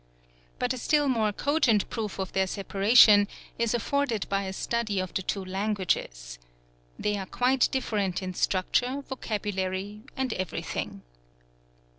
But a still more cogent proof of their separation is afforded by a study of the two languages. They are quite different in structure, vocabulary and everything.